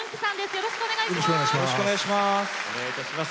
よろしくお願いします。